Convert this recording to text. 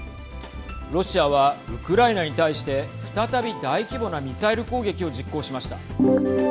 ロシアはウクライナに対して再び大規模なミサイル攻撃を実行しました。